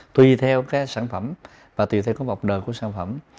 tùy theo cái sản phẩm và tùy theo cái mọc đời của sản phẩm